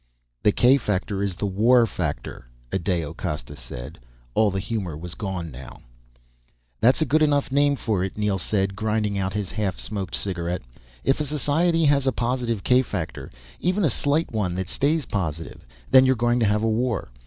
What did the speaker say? "The k factor is the war factor," Adao Costa said. All the humor was gone now. "That's a good enough name for it," Neel said, grinding out his half smoked cigarette. "If a society has a positive k factor, even a slight one that stays positive, then you are going to have a war.